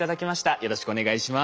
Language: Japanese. よろしくお願いします。